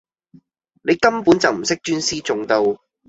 你根本就唔識專師重道